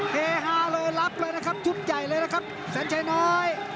เฮฮาเลยรับเลยนะครับชุดใหญ่เลยนะครับแสนชัยน้อย